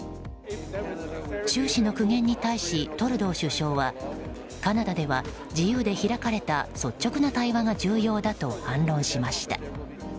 習氏の苦言に対しトルドー首相はカナダでは、自由で開かれた率直な対話が重要だと反論しました。